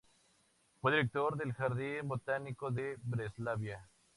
Fue director del Jardín Botánico de Breslavia.